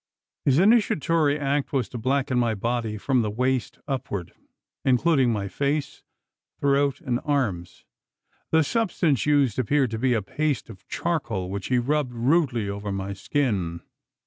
His initiatory act was to blacken my body from the waist upward, including my face, throat, and arms. The substance used appeared to be a paste of charcoal, which he rubbed rudely over my skin.